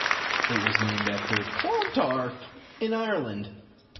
It was named after Clontarf in Ireland.